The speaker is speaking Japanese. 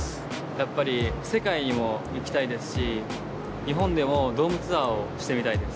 やっぱり世界にも行きたいですし日本でもドームツアーをしてみたいです。